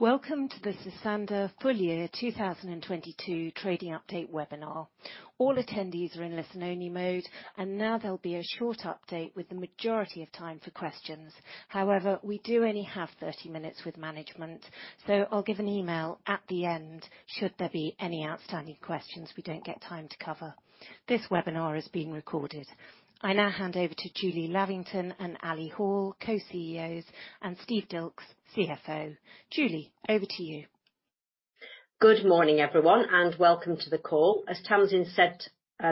Welcome to the Sosandar full year 2022 trading update webinar. All attendees are in listen only mode, and now there'll be a short update with the majority of time for questions. However, we do only have 30 minutes with management, so I'll give an email at the end should there be any outstanding questions we don't get time to cover. This webinar is being recorded. I now hand over to Julie Lavington and Ali Hall, Co-CEOs, and Steve Dilkes, CFO. Julie, over to you. Good morning, everyone, and welcome to the call. As Tamzin said,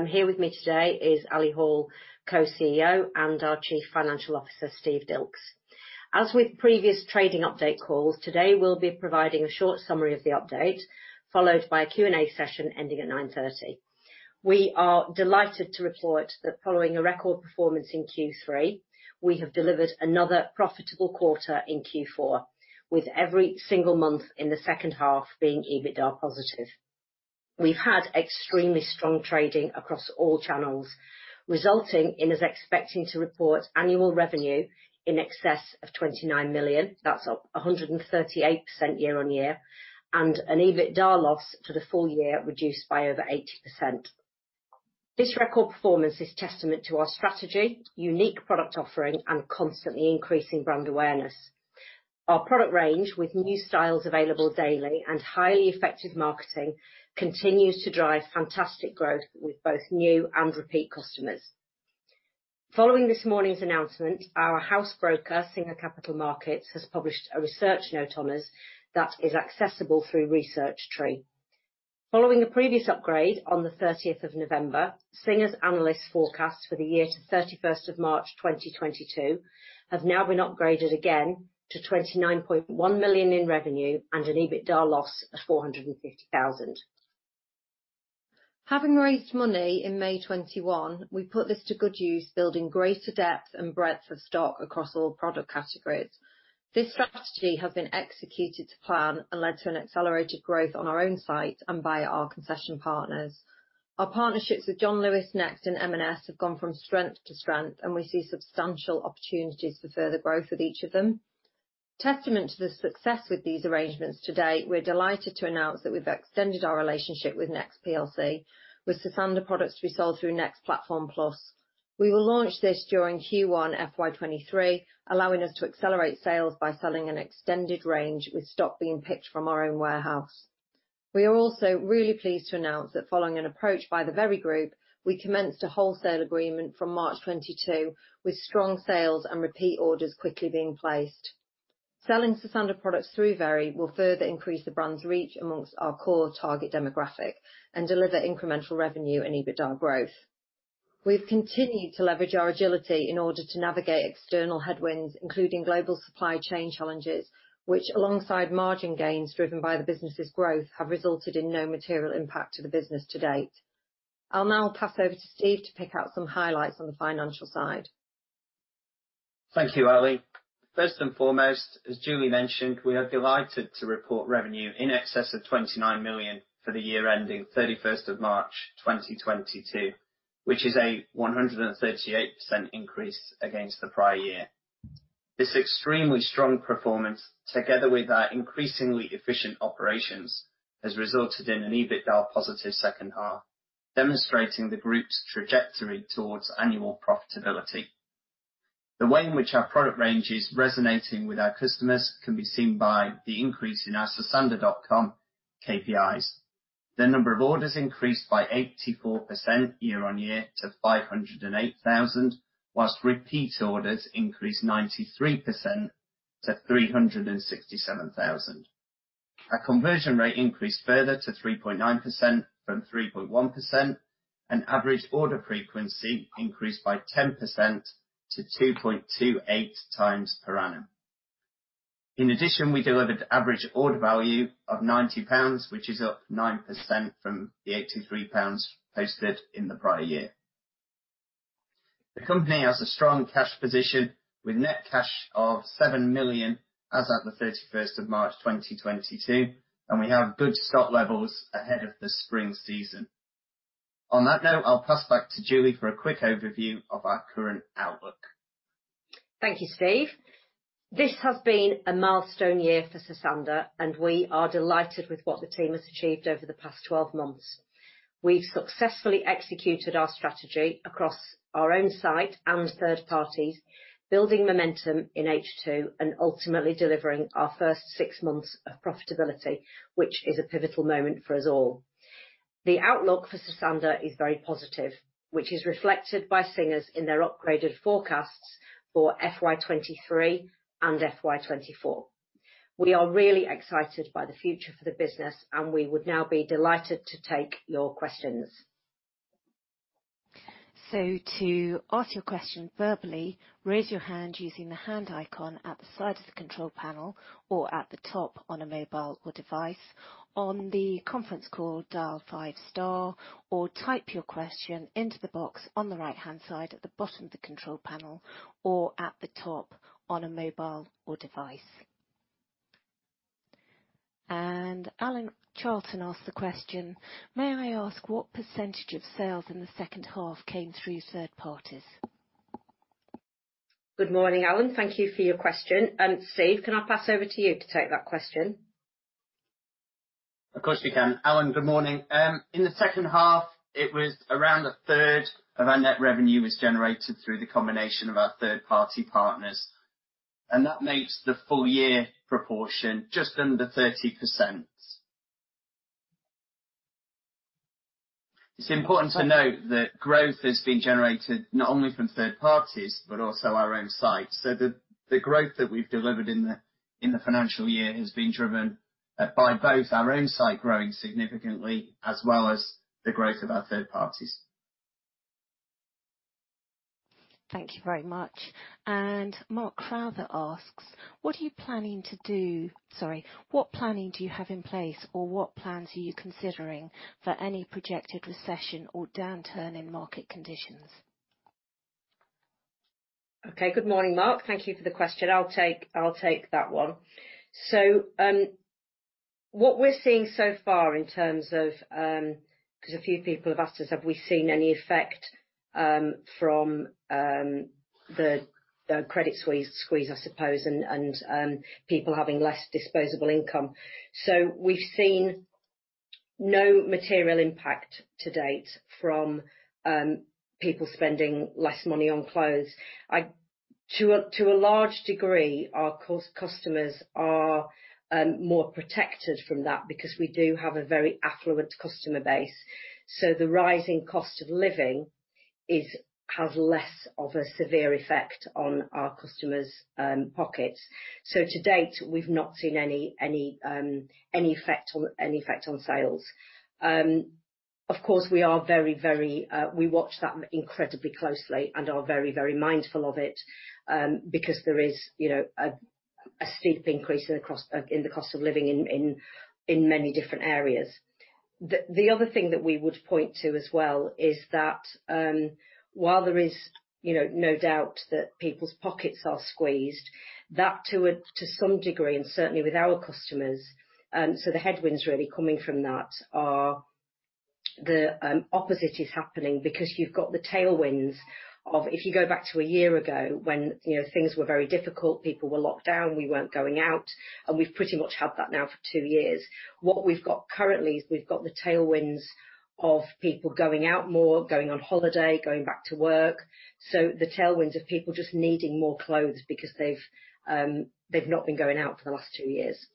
here with me today is Alison Hall, Co-CEO, and our Chief Financial Officer, Steve Dilks. As with previous trading update calls, today we'll be providing a short summary of the update, followed by a Q&A session ending at 9:30 A.M. We are delighted to report that following a record performance in Q3, we have delivered another profitable quarter in Q4, with every single month in the second half being EBITDA positive. We've had extremely strong trading across all channels, resulting in us expecting to report annual revenue in excess of 29 million. That's up 138% year on year, and an EBITDA loss for the full year reduced by over 80%. This record performance is testament to our strategy, unique product offering, and constantly increasing brand awareness. Our product range, with new styles available daily and highly effective marketing, continues to drive fantastic growth with both new and repeat customers. Following this morning's announcement, our house broker, Singer Capital Markets, has published a research note on us that is accessible through Research Tree. Following a previous upgrade on the 30th of November, Singer's analyst forecast for the year to 31st of March, 2022 have now been upgraded again to 29.1 million in revenue and an EBITDA loss of 450,000. Having raised money in May 2021, we put this to good use, building greater depth and breadth of stock across all product categories. This strategy has been executed to plan and led to an accelerated growth on our own site and by our concession partners. Our partnerships with John Lewis, Next, and M&S have gone from strength to strength, and we see substantial opportunities for further growth with each of them. Testament to the success with these arrangements to date, we're delighted to announce that we've extended our relationship with Next plc with Sosandar products to be sold through Next Platform Plus. We will launch this during Q1 FY 2023, allowing us to accelerate sales by selling an extended range with stock being picked from our own warehouse. We are also really pleased to announce that following an approach by The Very Group, we commenced a wholesale agreement from March 2022 with strong sales and repeat orders quickly being placed. Selling Sosandar products through Very will further increase the brand's reach among our core target demographic and deliver incremental revenue and EBITDA growth. We've continued to leverage our agility in order to navigate external headwinds, including global supply chain challenges, which alongside margin gains driven by the business's growth, have resulted in no material impact to the business to date. I'll now pass over to Steve to pick out some highlights on the financial side. Thank you, Ali. First and foremost, as Julie mentioned, we are delighted to report revenue in excess of 29 million for the year ending March 31st, 2022, which is a 138% increase against the prior year. This extremely strong performance, together with our increasingly efficient operations, has resulted in an EBITDA positive second half, demonstrating the group's trajectory towards annual profitability. The way in which our product range is resonating with our customers can be seen by the increase in our sosandar.com KPIs. The number of orders increased by 84% year on year to 508,000, while repeat orders increased 93% to 367,000. Our conversion rate increased further to 3.9% from 3.1%. Average order frequency increased by 10% to 2.28x per annum. In addition, we delivered average order value of 90 pounds, which is up 9% from the 83 pounds posted in the prior year. The company has a strong cash position with net cash of 7 million as of the 31st of March 2022, and we have good stock levels ahead of the spring season. On that note, I'll pass back to Julie for a quick overview of our current outlook. Thank you, Steve. This has been a milestone year for Sosandar, and we are delighted with what the team has achieved over the past 12 months. We've successfully executed our strategy across our own site and third parties, building momentum in H2 and ultimately delivering our first six months of profitability, which is a pivotal moment for us all. The outlook for Sosandar is very positive, which is reflected by Singer's in their upgraded forecasts for FY 2023 and FY 2024. We are really excited by the future for the business, and we would now be delighted to take your questions. Alan Charlton asked the question: May I ask what percentage of sales in the second half came through third parties? Good morning, Alan. Thank you for your question. Steve, can I pass over to you to take that question? Of course you can. Alan, good morning. In the second half, it was around a third of our net revenue was generated through the combination of our third-party partners, and that makes the full year proportion just under 30%. It's important to note that growth has been generated not only from third parties, but also our own site. The growth that we've delivered in the financial year has been driven by both our own site growing significantly as well as the growth of our third parties. Thank you very much. Mark Crowther asks, "What planning do you have in place, or what plans are you considering for any projected recession or downturn in market conditions? Okay. Good morning, Mark. Thank you for the question. I'll take that one. What we're seeing so far in terms of 'Cause a few people have asked us, have we seen any effect from the credit squeeze, I suppose, and people having less disposable income. We've seen no material impact to date from people spending less money on clothes. To a large degree, our customers are more protected from that because we do have a very affluent customer base. The rising cost of living has less of a severe effect on our customers' pockets. To date, we've not seen any effect on sales. Of course, we watch that incredibly closely and are very, very mindful of it, because there is, you know, a steep increase in the cost of living in many different areas. The other thing that we would point to as well is that, while there is, you know, no doubt that people's pockets are squeezed, that to some degree, and certainly with our customers, the headwinds really coming from that are the opposite is happening because you've got the tailwinds of if you go back to a year ago when, you know, things were very difficult, people were locked down, we weren't going out, and we've pretty much had that now for two years. What we've got currently is we've got the tailwinds of people going out more, going on holiday, going back to work. The tailwinds of people just needing more clothes because they've not been going out for the last two years.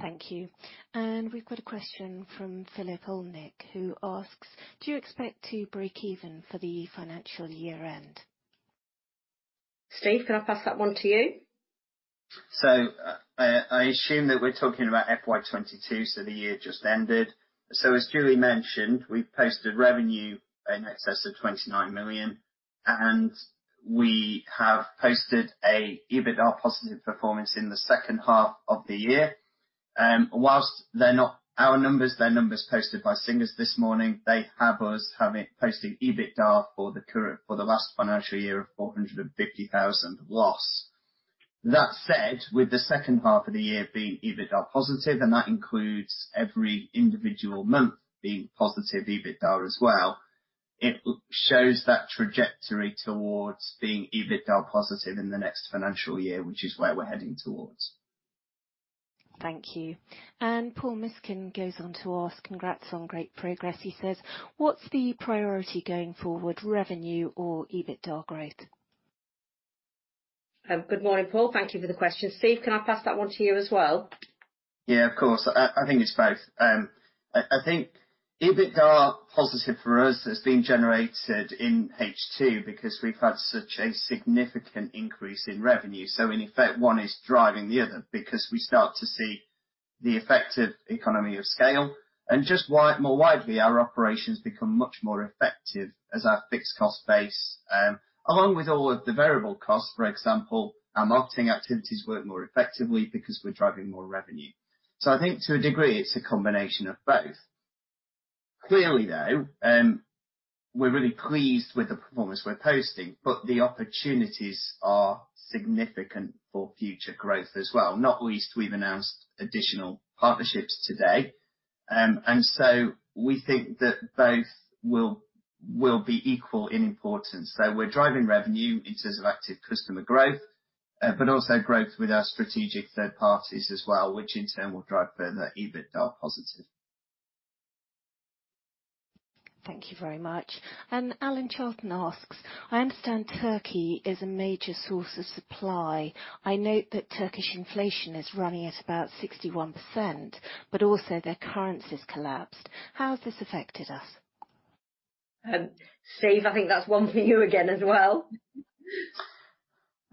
Thank you. We've got a question from Philip Holnick, who asks, "Do you expect to break even for the financial year end? Steve, can I pass that one to you? I assume that we're talking about FY 2022, the year just ended. As Julie mentioned, we've posted revenue in excess of 29 million, and we have posted a EBITDA positive performance in the second half of the year. While they are not our numbers, the numbers posted by Singer's this morning, they have us posting EBITDA for the last financial year of 450,000 loss. That said, with the second half of the year being EBITDA positive, and that includes every individual month being positive EBITDA as well, it shows that trajectory toward being EBITDA positive in the next financial year, which is where we're heading toward. Thank you. Paul Miskin goes on to ask, "Congrats on great progress." He says, "What's the priority going forward, revenue or EBITDA growth? Good morning, Paul. Thank you for the question. Steve, can I pass that one to you as well? Yeah, of course. I think it's both. I think EBITDA positive for us has been generated in H2 because we've had such a significant increase in revenue. In effect, one is driving the other because we start to see the effect of economies of scale. Just more widely, our operations become much more effective as our fixed cost base, along with all of the variable costs, for example, our marketing activities work more effectively because we're driving more revenue. I think to a degree, it's a combination of both. Clearly, though, we're really pleased with the performance we're posting, but the opportunities are significant for future growth as well. Not least, we've announced additional partnerships today. We think that both will be equal in importance. We're driving revenue in terms of active customer growth, but also growth with our strategic third parties as well, which in turn will drive further EBITDA positive. Thank you very much. Alan Charlton asks, "I understand Turkey is a major source of supply. I note that Turkish inflation is running at about 61%, but also their currency's collapsed. How has this affected us? Steve, I think that's one for you again as well.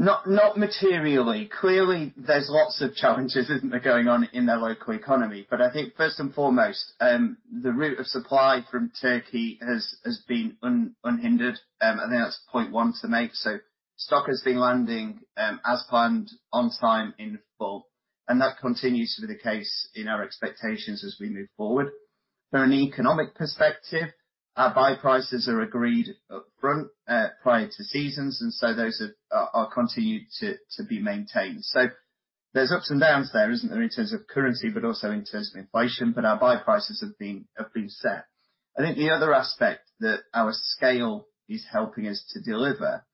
Not materially. Clearly, there's lots of challenges, isn't there, going on in their local economy. I think first and foremost, the route of supply from Turkey has been unhindered. I think that's point one to make. Stock has been landing as planned on time in full, and that continues to be the case in our expectations as we move forward. From an economic perspective, our buy prices are agreed up front, prior to seasons, and so those are continued to be maintained. There's ups and downs there, isn't there, in terms of currency, but also in terms of inflation, but our buy prices have been set. I think the other aspect that our scale is helping us to deliver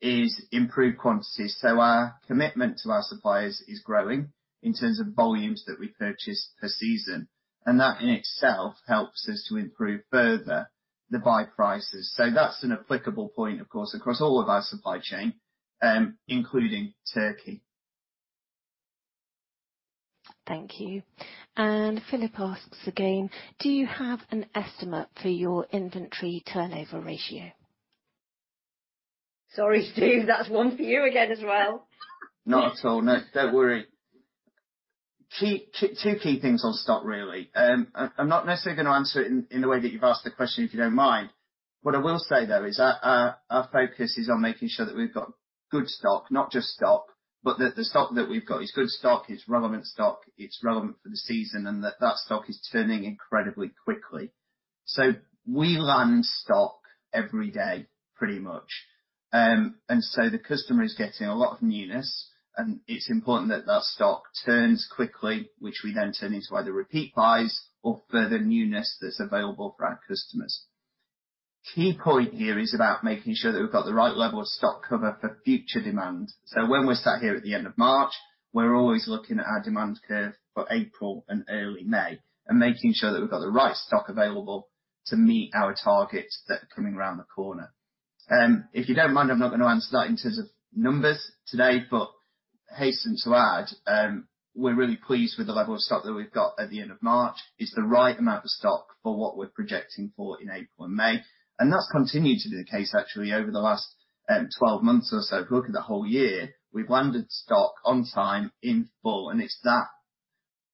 is improved quantities. Our commitment to our suppliers is growing in terms of volumes that we purchase per season, and that in itself helps us to improve further the buy prices. That's an applicable point, of course, across all of our supply chain, including Turkey. Thank you. Philip asks again, do you have an estimate for your inventory turnover ratio? Sorry, Steve. That's one for you again as well. Not at all. No, don't worry. Two key things on stock, really. I'm not necessarily gonna answer it in the way that you've asked the question, if you don't mind. What I will say, though, is our focus is on making sure that we've got good stock, not just stock, but the stock that we've got is good stock, it's relevant stock, it's relevant for the season, and that stock is turning incredibly quickly. We land stock every day, pretty much. The customer is getting a lot of newness, and it's important that that stock turns quickly, which we then turn into either repeat buys or further newness that's available for our customers. Key point here is about making sure that we've got the right level of stock cover for future demand. When we sat here at the end of March, we're always looking at our demand curve for April and early May and making sure that we've got the right stock available to meet our targets that are coming around the corner. If you don't mind, I'm not gonna answer that in terms of numbers today, but hasten to add, we're really pleased with the level of stock that we've got at the end of March. It's the right amount of stock for what we're projecting for in April and May, and that's continued to be the case actually over the last 12 months or so. If you look at the whole year, we've landed stock on time in full, and it's that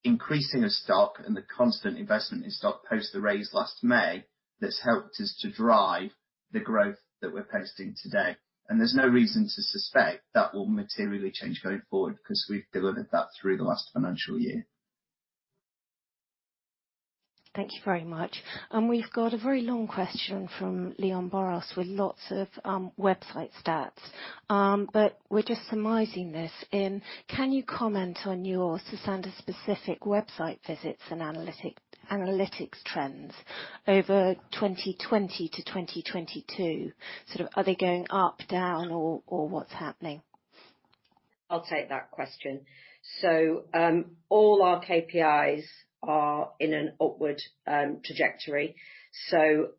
increasing of stock and the constant investment in stock post the raise last May that's helped us to drive the growth that we're posting today. There's no reason to suspect that will materially change going forward because we've delivered that through the last financial year. Thank you very much. We've got a very long question from Leon Boros with lots of website stats. We're just summarizing this in: Can you comment on your Sosandar specific website visits and analytics trends over 2020 to 2022? Sort of, are they going up, down or what's happening? I'll take that question. All our KPIs are in an upward trajectory. Starting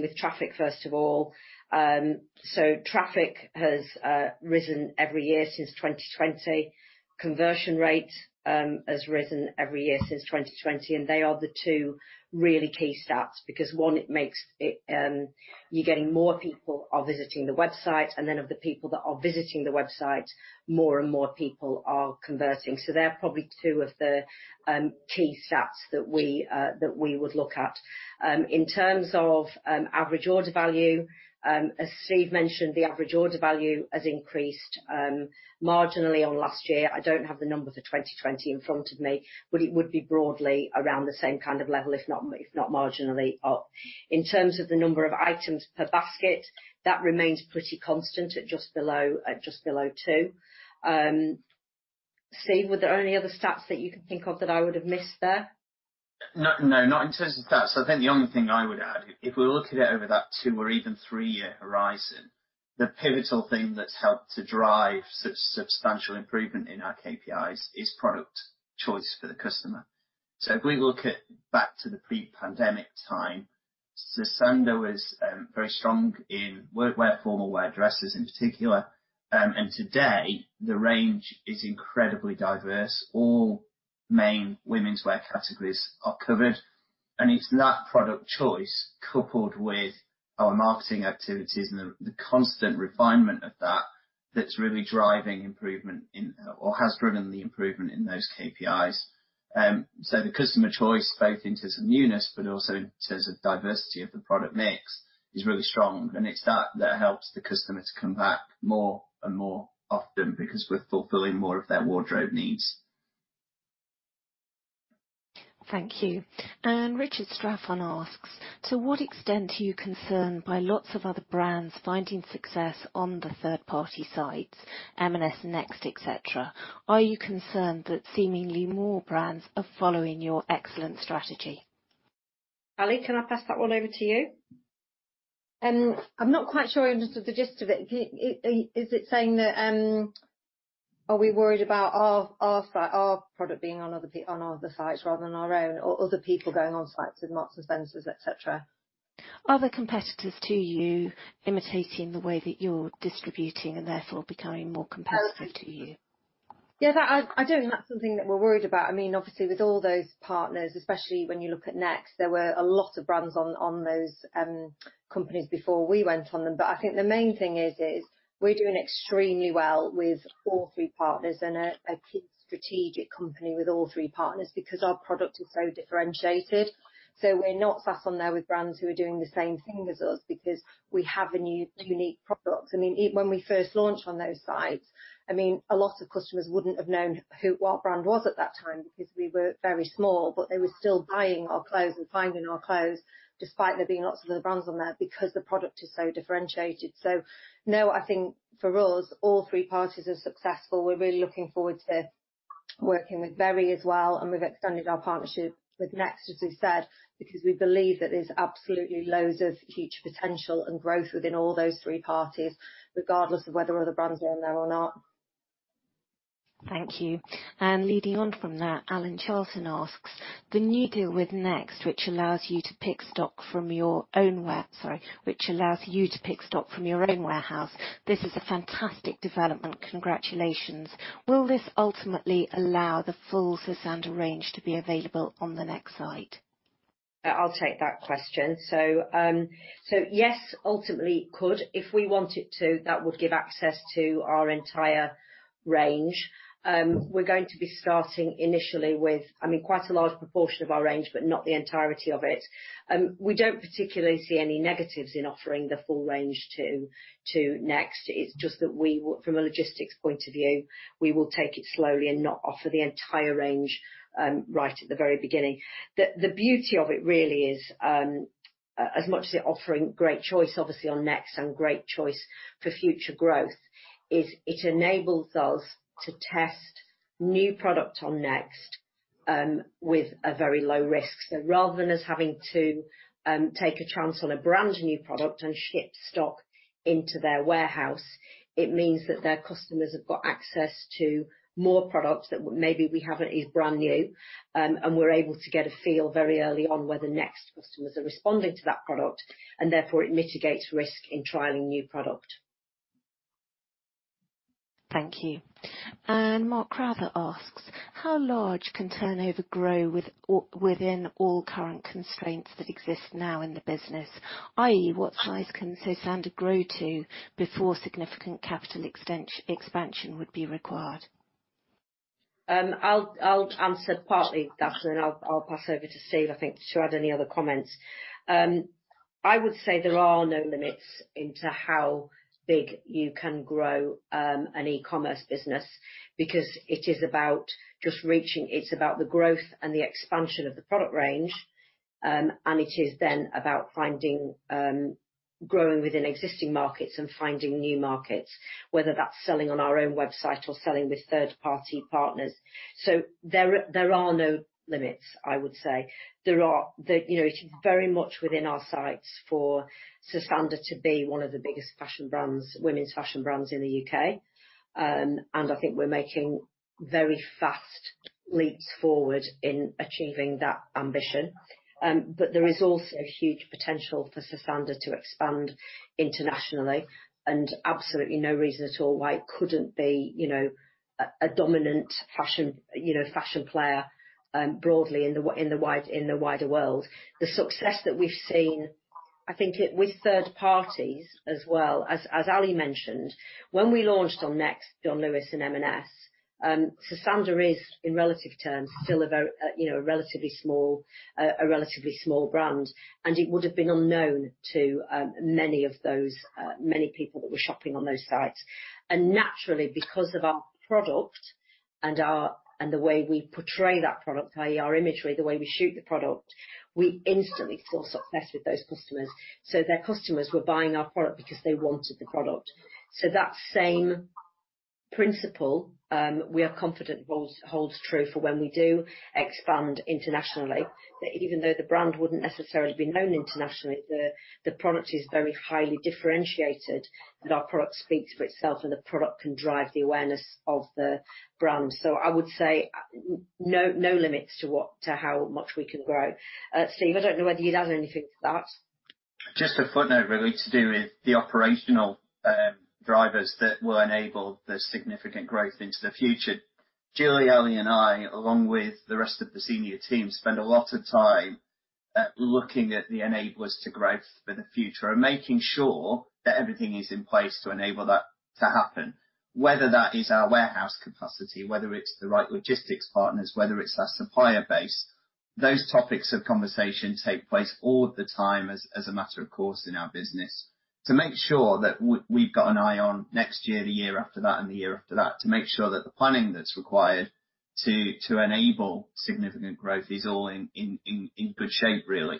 with traffic, first of all. Traffic has risen every year since 2020. Conversion rate has risen every year since 2020, and they are the two really key stats because, one, it makes it, you're getting more people are visiting the website, and then of the people that are visiting the website, more and more people are converting. They're probably two of the key stats that we would look at. In terms of average order value, as Steve mentioned, the average order value has increased marginally on last year. I don't have the number for 2020 in front of me, but it would be broadly around the same kind of level, if not marginally up. In terms of the number of items per basket, that remains pretty constant at just below two. Steve, were there any other stats that you can think of that I would have missed there? No, not in terms of stats. I think the only thing I would add, if we're looking at over that two- or even three-year horizon, the pivotal thing that's helped to drive substantial improvement in our KPIs is product choice for the customer. If we look back to the pre-pandemic time, Sosandar was very strong in work wear, formal wear, dresses in particular. Today, the range is incredibly diverse. All main women's wear categories are covered, and it's that product choice, coupled with our marketing activities and the constant refinement of that's really driving improvement in or has driven the improvement in those KPIs. The customer choice, both in terms of newness but also in terms of diversity of the product mix, is really strong, and it's that that helps the customer to come back more and more often because we're fulfilling more of their wardrobe needs. Thank you. Richard Straffan asks, to what extent are you concerned by lots of other brands finding success on the third party sites, M&S, Next, et cetera? Are you concerned that seemingly more brands are following your excellent strategy? Ali, can I pass that one over to you? I'm not quite sure I understood the gist of it. Is it saying that are we worried about our site, our product being on other sites rather than our own or other people going on sites with Marks & Spencer, et cetera? Other competitors to you imitating the way that you're distributing and therefore becoming more competitive to you. Yeah, I don't think that's something that we're worried about. I mean, obviously with all those partners, especially when you look at Next, there were a lot of brands on those companies before we went on them. I think the main thing is we're doing extremely well with all three partners and a key strategic company with all three partners because our product is so differentiated. We're not sat on there with brands who are doing the same thing as us because we have a new unique product. I mean, even when we first launched on those sites, I mean, a lot of customers wouldn't have known what brand was at that time because we were very small, but they were still buying our clothes and finding our clothes despite there being lots of other brands on there because the product is so differentiated. No, I think for us, all three parties are successful. We're really looking forward to. Working with Very as well, and we've extended our partnership with Next, as we've said, because we believe that there's absolutely loads of huge potential and growth within all those three parties, regardless of whether other brands are in there or not. Thank you. Leading on from that, Alan Charlton asks, "The new deal with Next, which allows you to pick stock from your own warehouse, this is a fantastic development. Congratulations. Will this ultimately allow the full Sosandar range to be available on the Next site? I'll take that question. Yes, ultimately, it could. If we want it to, that would give access to our entire range. We're going to be starting initially with, I mean, quite a large proportion of our range, but not the entirety of it. We don't particularly see any negatives in offering the full range to Next. It's just that from a logistics point of view, we will take it slowly and not offer the entire range right at the very beginning. The beauty of it really is, as much as they're offering great choice, obviously, on Next and great choice for future growth is it enables us to test new product on Next with a very low risk. Rather than us having to take a chance on a brand-new product and ship stock into their warehouse, it means that their customers have got access to more products that maybe we haven't, is brand new, and we're able to get a feel very early on whether Next customers are responding to that product, and therefore it mitigates risk in trialing new product. Thank you. Mark Sherlock asks, "How large can turnover grow within all current constraints that exist now in the business, i.e. what size can Sosandar grow to before significant capital expansion would be required? I'll answer partly that, and I'll pass over to Steve, I think, to add any other comments. I would say there are no limits to how big you can grow an e-commerce business because it is about just reaching. It's about the growth and the expansion of the product range, and it is then about finding growing within existing markets and finding new markets, whether that's selling on our own website or selling with third-party partners. There are no limits, I would say. You know, it's very much within our sights for Sosandar to be one of the biggest fashion brands, women's fashion brands in the U.K. I think we're making very fast leaps forward in achieving that ambition. There is also huge potential for Sosandar to expand internationally, and absolutely no reason at all why it couldn't be, you know, a dominant fashion, you know, fashion player, broadly in the wider world. The success that we've seen, I think, with third parties as well, as Ali mentioned, when we launched on Next, John Lewis and M&S, Sosandar is, in relative terms, still a, you know, relatively small brand, and it would have been unknown to many of those many people that were shopping on those sites. Naturally, because of our product and our, and the way we portray that product, i.e. our imagery, the way we shoot the product, we instantly saw success with those customers. Their customers were buying our product because they wanted the product. That same principle, we are confident holds true for when we do expand internationally, that even though the brand wouldn't necessarily be known internationally, the product is very highly differentiated, that our product speaks for itself and the product can drive the awareness of the brand. I would say, no limits to what, to how much we can grow. Steve, I don't know whether you'd add anything to that. Just a footnote really to do with the operational drivers that will enable the significant growth into the future. Julie, Ali, and I, along with the rest of the senior team, spend a lot of time looking at the enablers to growth for the future and making sure that everything is in place to enable that to happen. Whether that is our warehouse capacity, whether it's the right logistics partners, whether it's our supplier base, those topics of conversation take place all the time as a matter of course in our business, to make sure that we've got an eye on next year, the year after that, and the year after that, to make sure that the planning that's required to enable significant growth is all in good shape, really.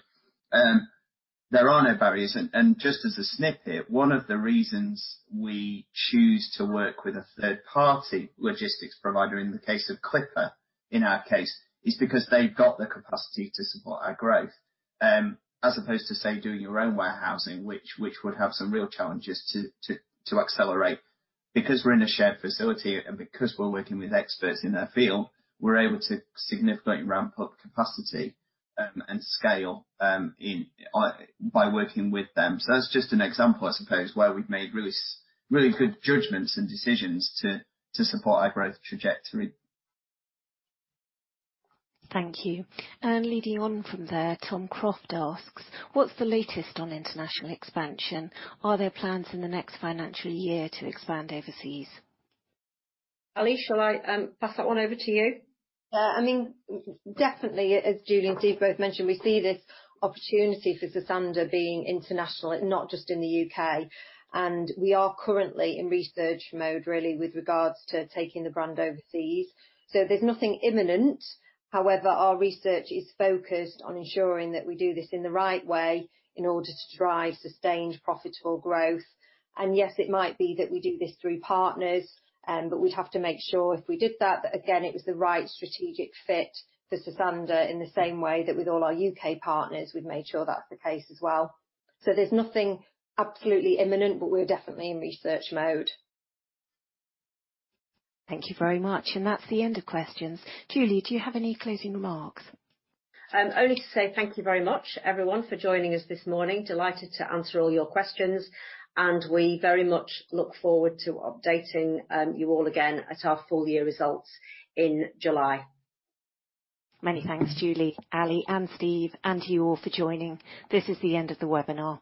There are no barriers. Just as a snippet, one of the reasons we choose to work with a third-party logistics provider, in the case of Clipper, in our case, is because they've got the capacity to support our growth, as opposed to, say, doing your own warehousing, which would have some real challenges to accelerate. Because we're in a shared facility and because we're working with experts in their field, we're able to significantly ramp up capacity and scale in by working with them. That's just an example, I suppose, where we've made really good judgments and decisions to support our growth trajectory. Thank you. Leading on from there, Tom Croft asks, "What's the latest on international expansion? Are there plans in the next financial year to expand overseas? Ali, shall I pass that one over to you? Yeah, I mean, definitely, as Julie and Steve both mentioned, we see this opportunity for Sosandar being international and not just in the U.K. We are currently in research mode, really, with regards to taking the brand overseas. There's nothing imminent. However, our research is focused on ensuring that we do this in the right way in order to drive sustained profitable growth. Yes, it might be that we do this through partners, but we'd have to make sure if we did that again, it was the right strategic fit for Sosandar in the same way that with all our U.K. partners, we've made sure that's the case as well. There's nothing absolutely imminent, but we're definitely in research mode. Thank you very much. That's the end of questions. Julie, do you have any closing remarks? Only to say thank you very much, everyone, for joining us this morning. Delighted to answer all your questions, and we very much look forward to updating you all again at our full year results in July. Many thanks, Julie, Ali, and Steve, and to you all for joining. This is the end of the webinar.